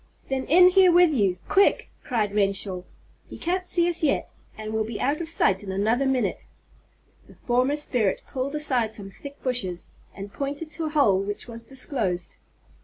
"Then in here with you quick!" cried Renshaw. "He can't see us yet, and we'll be out of sight in another minute." The former spirit pulled aside some thick bushes, and pointed to a hole which was disclosed.